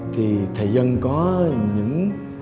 thì thầy dân có những